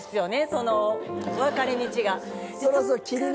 その分かれ道が。